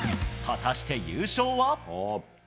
果たして優勝は。